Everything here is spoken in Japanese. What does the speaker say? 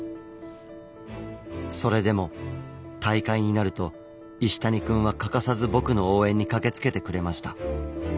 それでも大会になると石谷くんは欠かさず僕の応援に駆けつけてくれました。